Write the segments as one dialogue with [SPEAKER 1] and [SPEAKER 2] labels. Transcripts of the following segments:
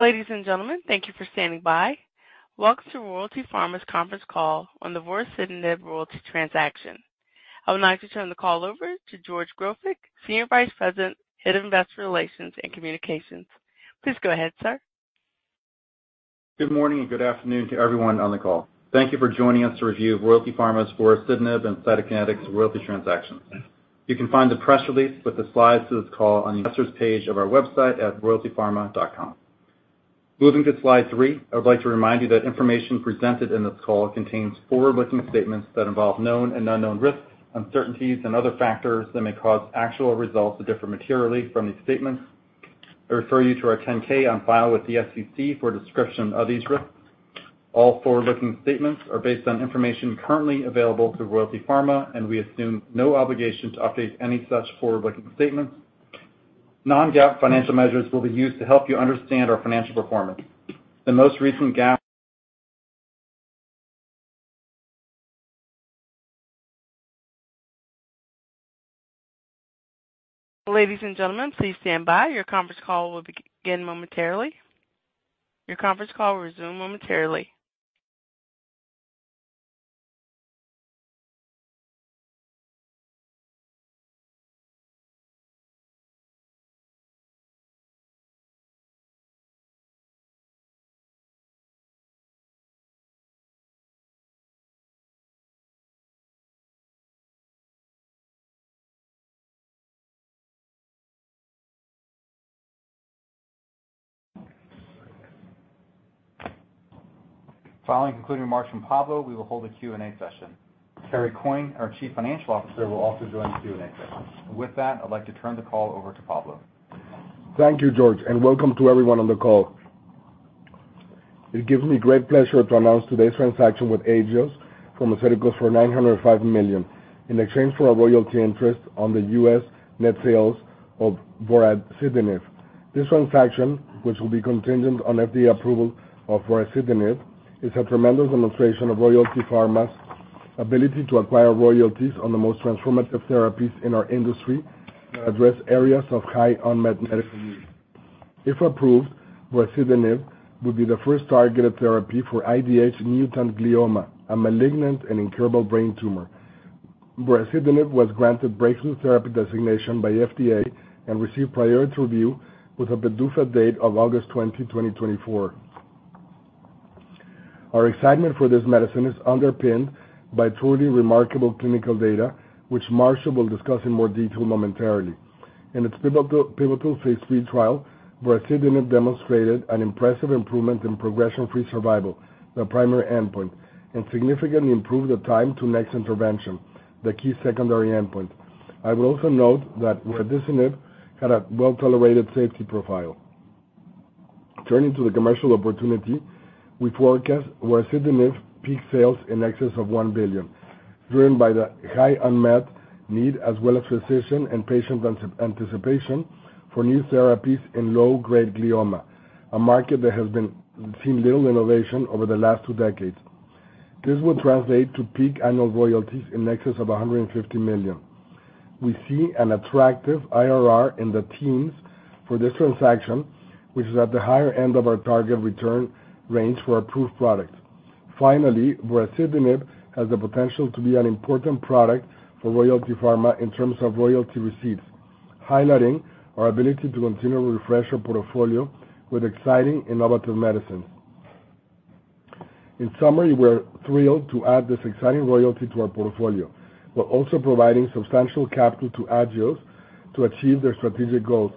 [SPEAKER 1] Ladies and gentlemen, thank you for standing by. Welcome to Royalty Pharma's conference call on the vorasidenib Royalty Transaction. I would like to turn the call over to George Grofik, Senior Vice President, Head of Investor Relations and Communications. Please go ahead, sir.
[SPEAKER 2] Good morning, and good afternoon to everyone on the call. Thank you for joining us to review Royalty Pharma's vorasidenib and Cytokinetics royalty transactions. You can find the press release with the slides to this call on the Investors page of our website at royaltypharma.com. Moving to slide three, I would like to remind you that information presented in this call contains forward-looking statements that involve known and unknown risks, uncertainties, and other factors that may cause actual results to differ materially from these statements. I refer you to our 10-K on file with the SEC for a description of these risks. All forward-looking statements are based on information currently available to Royalty Pharma, and we assume no obligation to update any such forward-looking statements. Non-GAAP financial measures will be used to help you understand our financial performance. The most recent GAAP-
[SPEAKER 1] Ladies and gentlemen, please stand by. Your conference call will begin momentarily. Your conference call will resume momentarily.
[SPEAKER 2] Following concluding remarks from Pablo, we will hold a Q&A session. Terry Coyne, our Chief Financial Officer, will also join the Q&A session. With that, I'd like to turn the call over to Pablo.
[SPEAKER 3] Thank you, George, and welcome to everyone on the call. It gives me great pleasure to announce today's transaction with Agios Pharmaceuticals for $905 million in exchange for a royalty interest on the U.S. net sales of vorasidenib. This transaction, which will be contingent on FDA approval of vorasidenib, is a tremendous demonstration of Royalty Pharma's ability to acquire royalties on the most transformative therapies in our industry and address areas of high unmet medical need. If approved, vorasidenib would be the first targeted therapy for IDH mutant glioma, a malignant and incurable brain tumor. Vorasidenib was granted Breakthrough Therapy Designation by FDA and received Priority Review with a PDUFA date of August 20, 2024. Our excitement for this medicine is underpinned by truly remarkable clinical data, which Marshall will discuss in more detail momentarily. In its pivotal, pivotal phase III trial, vorasidenib demonstrated an impressive improvement in progression-free survival, the primary endpoint, and significantly improved the time to next intervention, the key secondary endpoint. I will also note that vorasidenib had a well-tolerated safety profile. Turning to the commercial opportunity, we forecast vorasidenib peak sales in excess of $1 billion, driven by the high unmet need as well as precision and patient anticipation for new therapies in low-grade glioma, a market that has been seen little innovation over the last two decades. This will translate to peak annual royalties in excess of $150 million. We see an attractive IRR in the teens for this transaction, which is at the higher end of our target return range for approved products. Finally, vorasidenib has the potential to be an important product for Royalty Pharma in terms of royalty receipts, highlighting our ability to continually refresh our portfolio with exciting, innovative medicines. In summary, we're thrilled to add this exciting royalty to our portfolio, while also providing substantial capital to Agios to achieve their strategic goals.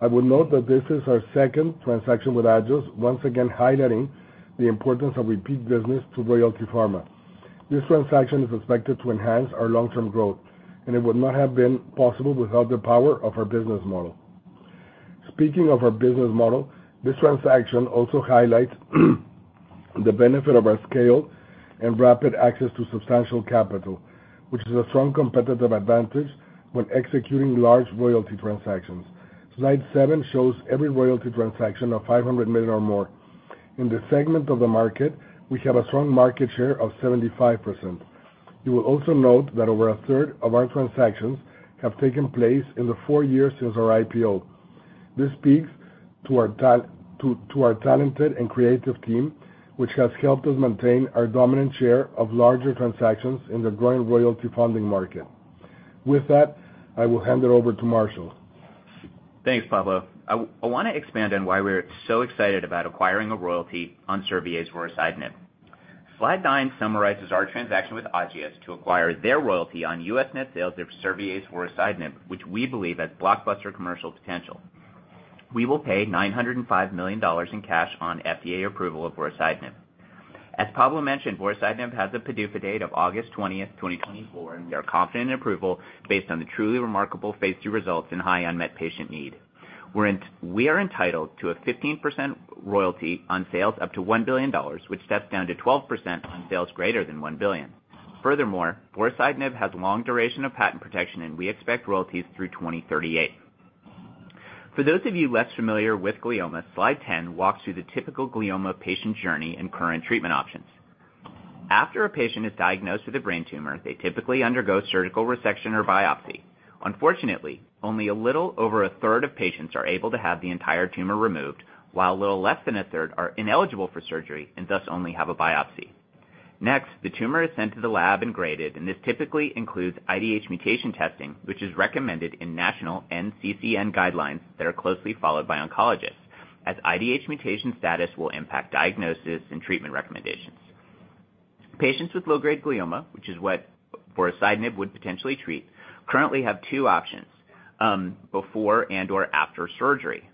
[SPEAKER 3] I would note that this is our second transaction with Agios, once again highlighting the importance of repeat business to Royalty Pharma. This transaction is expected to enhance our long-term growth, and it would not have been possible without the power of our business model. Speaking of our business model, this transaction also highlights the benefit of our scale and rapid access to substantial capital, which is a strong competitive advantage when executing large royalty transactions. Slide 7 shows every royalty transaction of $500 million or more. In this segment of the market, we have a strong market share of 75%. You will also note that over a third of our transactions have taken place in the four years since our IPO. This speaks to our talented and creative team, which has helped us maintain our dominant share of larger transactions in the growing royalty funding market. With that, I will hand it over to Marshall.
[SPEAKER 4] Thanks, Pablo. I wanna expand on why we're so excited about acquiring a royalty on Servier's vorasidenib. Slide 9 summarizes our transaction with Agios to acquire their royalty on U.S. net sales of Servier's vorasidenib, which we believe has blockbuster commercial potential. We will pay $905 million in cash on FDA approval of vorasidenib. As Pablo mentioned, vorasidenib has a PDUFA date of August 20, 2024, and we are confident in approval based on the truly remarkable phase II results and high unmet patient need. We are entitled to a 15% royalty on sales up to $1 billion, which steps down to 12% on sales greater than $1 billion. Furthermore, vorasidenib has long duration of patent protection, and we expect royalties through 2038. For those of you less familiar with glioma, slide 10 walks through the typical glioma patient journey and current treatment options. After a patient is diagnosed with a brain tumor, they typically undergo surgical resection or biopsy. Unfortunately, only a little over a third of patients are able to have the entire tumor removed, while a little less than a third are ineligible for surgery and thus only have a biopsy. Next, the tumor is sent to the lab and graded, and this typically includes IDH mutation testing, which is recommended in national NCCN guidelines that are closely followed by oncologists, as IDH mutation status will impact diagnosis and treatment recommendations. Patients with low-grade glioma, which is what vorasidenib would potentially treat, currently have two options, before and/or after surgery.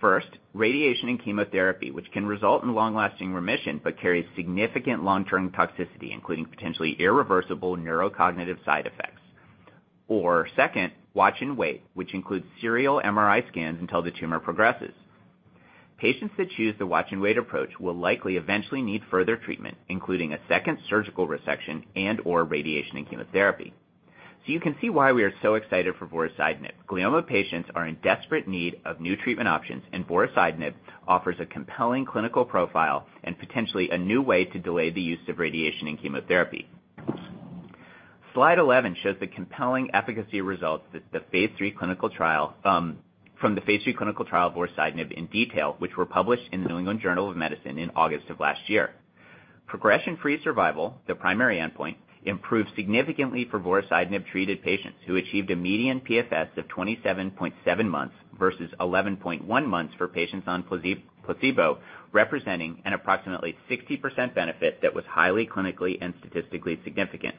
[SPEAKER 4] First, radiation and chemotherapy, which can result in long-lasting remission but carries significant long-term toxicity, including potentially irreversible neurocognitive side effects. Or second, watch and wait, which includes serial MRI scans until the tumor progresses. Patients that choose the watch and wait approach will likely eventually need further treatment, including a second surgical resection and/or radiation and chemotherapy. So you can see why we are so excited for vorasidenib. Glioma patients are in desperate need of new treatment options, and vorasidenib offers a compelling clinical profile and potentially a new way to delay the use of radiation and chemotherapy. Slide 11 shows the compelling efficacy results that the phase three clinical trial, from the phase three clinical trial vorasidenib in detail, which were published in the New England Journal of Medicine in August of last year. Progression-free survival, the primary endpoint, improved significantly for vorasidenib-treated patients, who achieved a median PFS of 27.7 months versus 11.1 months for patients on placebo, representing an approximately 60% benefit that was highly clinically and statistically significant.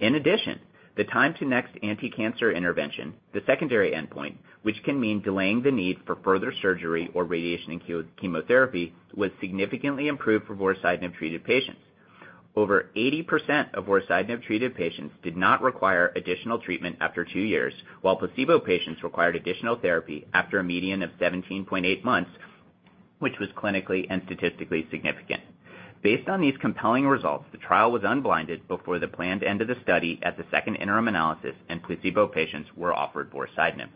[SPEAKER 4] In addition, the time to next anticancer intervention, the secondary endpoint, which can mean delaying the need for further surgery or radiation and chemotherapy, was significantly improved for vorasidenib-treated patients. Over 80% of vorasidenib-treated patients did not require additional treatment after 2 years, while placebo patients required additional therapy after a median of 17.8 months, which was clinically and statistically significant. Based on these compelling results, the trial was unblinded before the planned end of the study at the second interim analysis, and placebo patients were offered vorasidenib.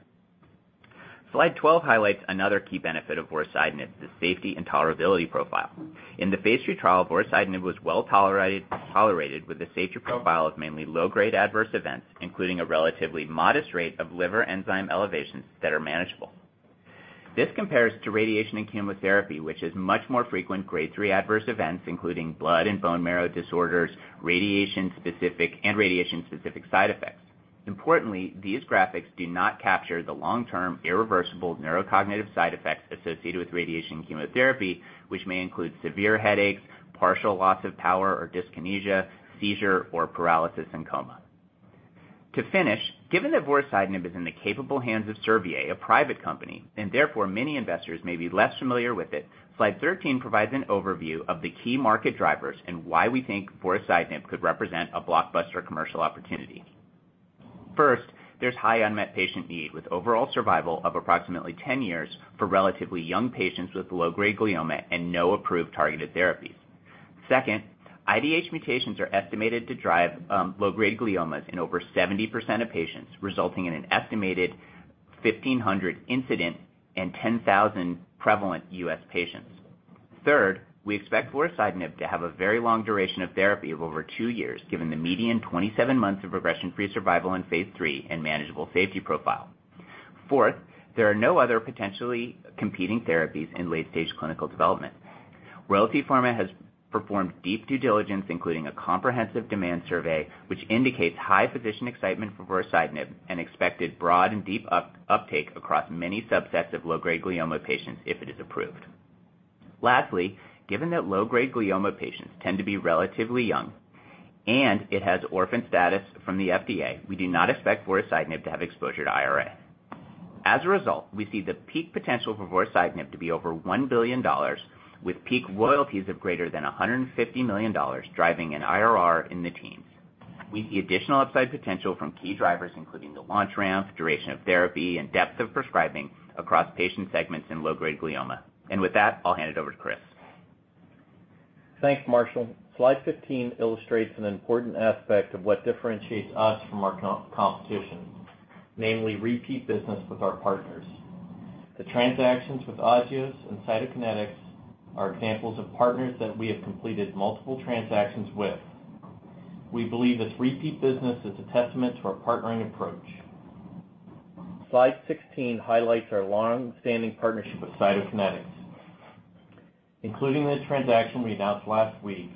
[SPEAKER 4] Slide 12 highlights another key benefit of vorasidenib, the safety and tolerability profile. In the phase 3 trial, vorasidenib was well tolerated, with a safety profile of mainly low-grade adverse events, including a relatively modest rate of liver enzyme elevations that are manageable. This compares to radiation and chemotherapy, which is much more frequent grade 3 adverse events, including blood and bone marrow disorders, radiation-specific, and radiation-specific side effects. Importantly, these graphics do not capture the long-term irreversible neurocognitive side effects associated with radiation chemotherapy, which may include severe headaches, partial loss of power or dyskinesia, seizure or paralysis, and coma. To finish, given that vorasidenib is in the capable hands of Servier, a private company, and therefore many investors may be less familiar with it, slide 13 provides an overview of the key market drivers and why we think vorasidenib could represent a blockbuster commercial opportunity. First, there's high unmet patient need, with overall survival of approximately 10 years for relatively young patients with low-grade glioma and no approved targeted therapies. Second, IDH mutations are estimated to drive low-grade gliomas in over 70% of patients, resulting in an estimated 1,500 incident and 10,000 prevalent U.S. patients. Third, we expect vorasidenib to have a very long duration of therapy of over 2 years, given the median 27 months of progression-free survival in phase 3 and manageable safety profile. Fourth, there are no other potentially competing therapies in late-stage clinical development. Royalty Pharma has performed deep due diligence, including a comprehensive demand survey, which indicates high physician excitement for vorasidenib and expected broad and deep uptake across many subsets of low-grade glioma patients if it is approved. Lastly, given that low-grade glioma patients tend to be relatively young and it has orphan status from the FDA, we do not expect vorasidenib to have exposure to IRA. As a result, we see the peak potential for vorasidenib to be over $1 billion, with peak royalties of greater than $150 million, driving an IRR in the teens. We see additional upside potential from key drivers, including the launch ramp, duration of therapy, and depth of prescribing across patient segments in low-grade glioma. With that, I'll hand it over to Chris.
[SPEAKER 5] Thanks, Marshall. Slide 15 illustrates an important aspect of what differentiates us from our competition, namely repeat business with our partners. The transactions with Agios and Cytokinetics are examples of partners that we have completed multiple transactions with. We believe this repeat business is a testament to our partnering approach. Slide 16 highlights our long-standing partnership with Cytokinetics. Including the transaction we announced last week,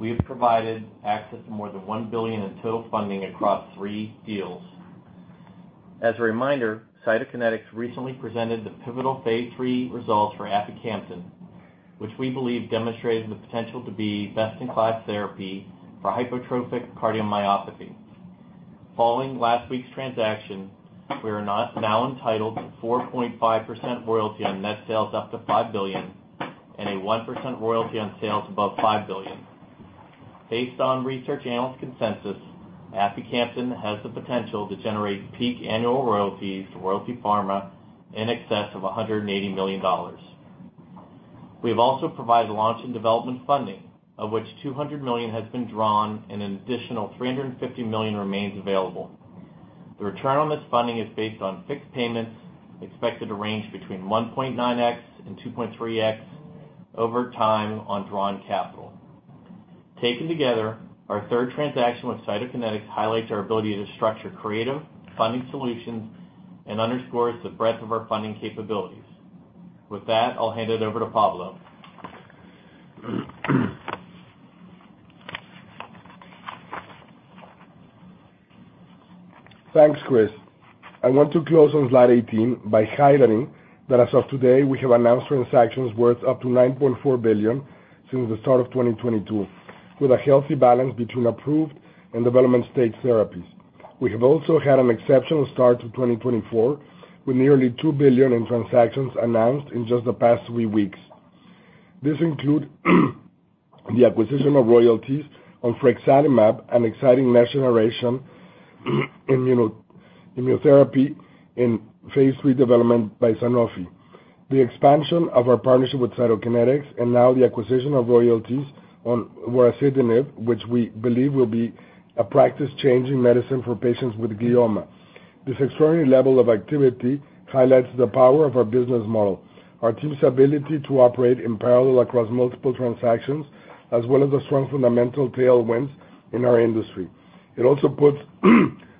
[SPEAKER 5] we have provided access to more than $1 billion in total funding across three deals. As a reminder, Cytokinetics recently presented the pivotal phase 3 results for aficamsten, which we believe demonstrated the potential to be best-in-class therapy for hypertrophic cardiomyopathy. Following last week's transaction, we are now entitled to 4.5% royalty on net sales up to $5 billion and a 1% royalty on sales above $5 billion. Based on research analyst consensus, aficamsten has the potential to generate peak annual royalties to Royalty Pharma in excess of $180 million. We have also provided launch and development funding, of which $200 million has been drawn and an additional $350 million remains available. The return on this funding is based on fixed payments, expected to range between 1.9x and 2.3x over time on drawn capital. Taken together, our third transaction with Cytokinetics highlights our ability to structure creative funding solutions and underscores the breadth of our funding capabilities. With that, I'll hand it over to Pablo.
[SPEAKER 3] Thanks, Chris. I want to close on slide 18 by highlighting that as of today, we have announced transactions worth up to $9.4 billion since the start of 2022, with a healthy balance between approved and development-stage therapies. We have also had an exceptional start to 2024, with nearly $2 billion in transactions announced in just the past 3 weeks. This include the acquisition of royalties on frexalimab, an exciting next-generation immuno, immunotherapy in phase 3 development by Sanofi. The expansion of our partnership with Cytokinetics, and now the acquisition of royalties on vorasidenib, which we believe will be a practice-changing medicine for patients with glioma. This extraordinary level of activity highlights the power of our business model, our team's ability to operate in parallel across multiple transactions, as well as the strong fundamental tailwinds in our industry. It also puts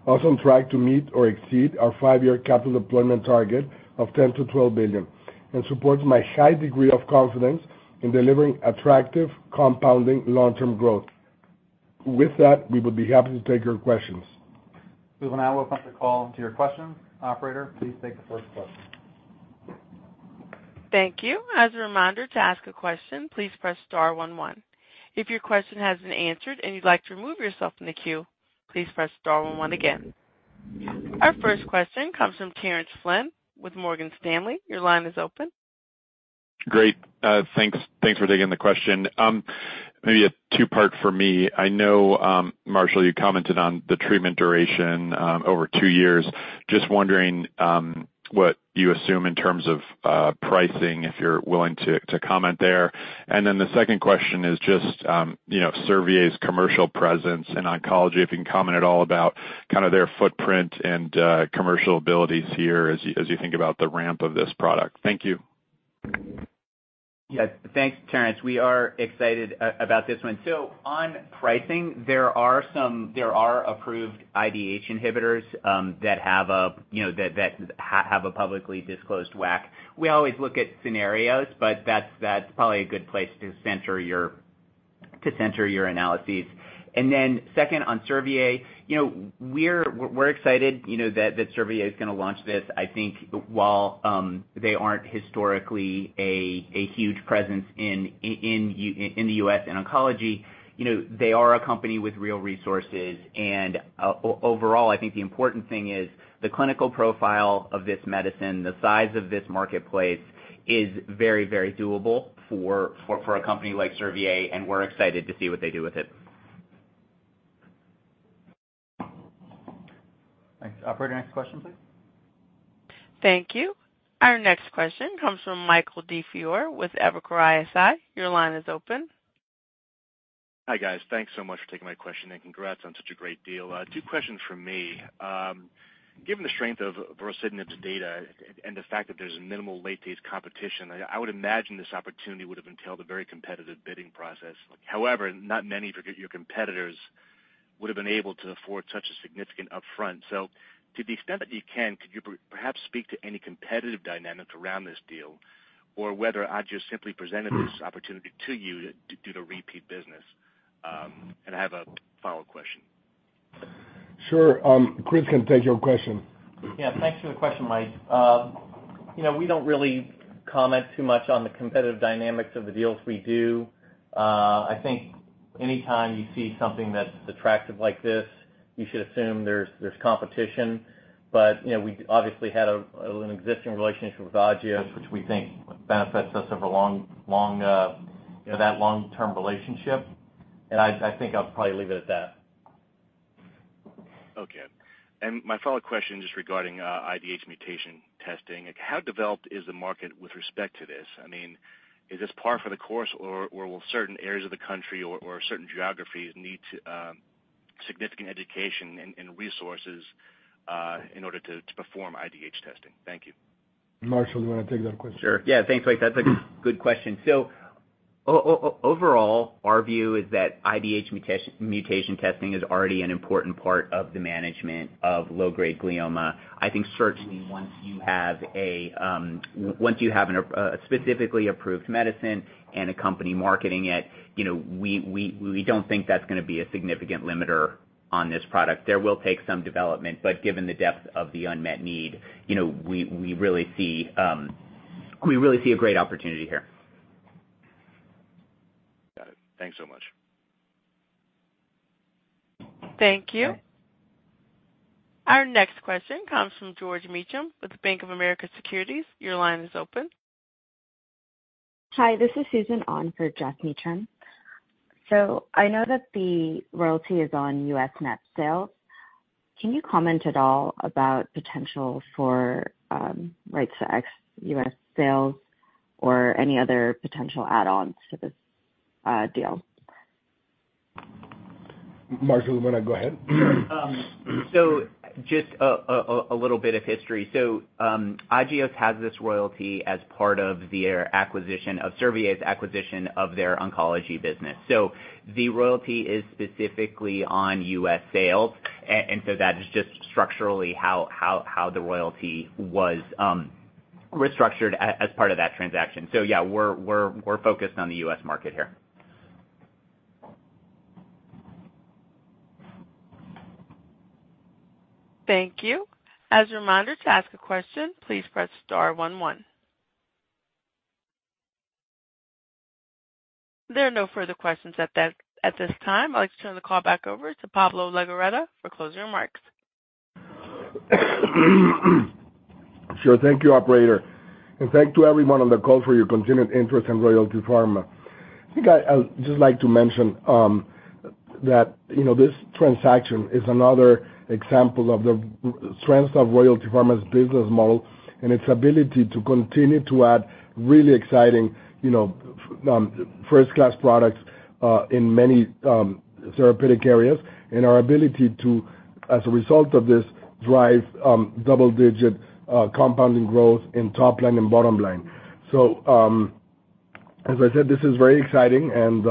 [SPEAKER 3] us on track to meet or exceed our five-year capital deployment target of $10 billion-$12 billion and supports my high degree of confidence in delivering attractive, compounding long-term growth. With that, we would be happy to take your questions.
[SPEAKER 2] We will now open up the call to your questions. Operator, please take the first question.
[SPEAKER 1] Thank you. As a reminder, to ask a question, please press star one, one. If your question has been answered and you'd like to remove yourself from the queue, please press star one one again. Our first question comes from Terence Flynn with Morgan Stanley. Your line is open.
[SPEAKER 6] Great. Thanks. Thanks for taking the question. Maybe a two-part for me. I know, Marshall, you commented on the treatment duration, over two years. Just wondering, what you assume in terms of, pricing, if you're willing to, to comment there. And then the second question is just, you know, Servier's commercial presence in oncology, if you can comment at all about kind of their footprint and, commercial abilities here as you, as you think about the ramp of this product. Thank you.
[SPEAKER 4] Yes, thanks, Terence. We are excited about this one. So on pricing, there are some... There are approved IDH inhibitors that have a, you know, that have a publicly disclosed WAC. We always look at scenarios, but that's probably a good place to center your analyses. And then second, on Servier, you know, we're excited, you know, that Servier is gonna launch this. I think while they aren't historically a huge presence in the U.S. in oncology, you know, they are a company with real resources. And overall, I think the important thing is the clinical profile of this medicine, the size of this marketplace, is very, very doable for a company like Servier, and we're excited to see what they do with it.
[SPEAKER 2] Thanks. Operator, next question, please.
[SPEAKER 1] Thank you. Our next question comes from Michael DiFiore with Evercore ISI. Your line is open.
[SPEAKER 7] Hi, guys. Thanks so much for taking my question, and congrats on such a great deal. Two questions from me. Given the strength of vorasidenib's data and the fact that there's minimal late-stage competition, I would imagine this opportunity would have entailed a very competitive bidding process. However, not many of your competitors would have been able to afford such a significant upfront. So to the extent that you can, could you perhaps speak to any competitive dynamics around this deal, or whether Agios simply presented this opportunity to you to do the repeat business? And I have a follow-up question.
[SPEAKER 3] Sure, Chris can take your question.
[SPEAKER 5] Yeah, thanks for the question, Mike. You know, we don't really comment too much on the competitive dynamics of the deals we do. I think anytime you see something that's attractive like this, you should assume there's competition. But, you know, we obviously had an existing relationship with Agios, which we think benefits us over long, long, you know, that long-term relationship. And I think I'll probably leave it at that.
[SPEAKER 7] Okay. And my follow-up question is regarding IDH mutation testing. How developed is the market with respect to this? I mean, is this par for the course, or will certain areas of the country or certain geographies need significant education and resources in order to perform IDH testing? Thank you.
[SPEAKER 3] Marshall, do you want to take that question?
[SPEAKER 4] Sure. Yeah, thanks, Mike. That's a good question. So overall, our view is that IDH mutation testing is already an important part of the management of low-grade glioma. I think certainly once you have a specifically approved medicine and a company marketing it, you know, we don't think that's gonna be a significant limiter on this product. There will take some development, but given the depth of the unmet need, you know, we really see a great opportunity here.
[SPEAKER 7] Got it. Thanks so much.
[SPEAKER 1] Thank you. Our next question comes from Geoff Meacham with Bank of America Securities. Your line is open.
[SPEAKER 8] Hi, this is Susan on for Geoff Meacham. I know that the royalty is on U.S. net sales. Can you comment at all about potential for rights to ex-U.S. sales or any other potential add-ons to this deal?
[SPEAKER 3] Marshall, you wanna go ahead?
[SPEAKER 4] So just a little bit of history. So, Agios has this royalty as part of their acquisition of Servier's acquisition of their oncology business. So the royalty is specifically on U.S. sales, and so that is just structurally how the royalty was restructured as part of that transaction. So yeah, we're focused on the U.S. market here.
[SPEAKER 1] Thank you. As a reminder, to ask a question, please press star one one. There are no further questions at this time. I'd like to turn the call back over to Pablo Legorreta for closing remarks.
[SPEAKER 3] Sure. Thank you, operator, and thanks to everyone on the call for your continued interest in Royalty Pharma. I think I'd just like to mention that, you know, this transaction is another example of the strength of Royalty Pharma's business model and its ability to continue to add really exciting, you know, first-class products in many therapeutic areas, and our ability to, as a result of this, drive double-digit compounding growth in top line and bottom line. So, as I said, this is very exciting, and,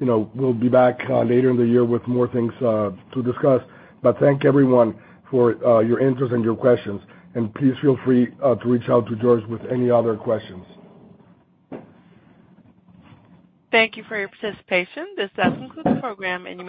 [SPEAKER 3] you know, we'll be back later in the year with more things to discuss. But thank everyone for your interest and your questions, and please feel free to reach out to George with any other questions.
[SPEAKER 1] Thank you for your participation. This does conclude the program, and you-